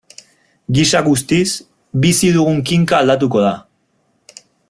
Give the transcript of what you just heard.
Gisa guztiz, bizi dugun kinka aldatuko da.